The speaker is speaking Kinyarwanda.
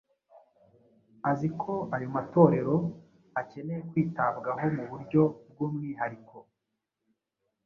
azi ko ayo matorero akeneye kwitabwaho mu buryo bw’umwihariko